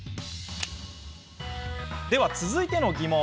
では、続いての疑問。